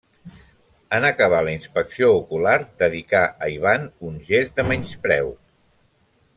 En acabar la inspecció ocular, dedicà a Ivan un gest de menyspreu.